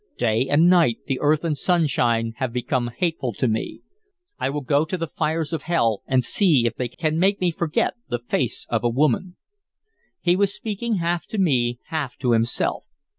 Day and night, the earth and sunshine have become hateful to me. I will go to the fires of hell, and see if they can make me forget, can make me forget the face of a woman." He was speaking half to me, half to himself.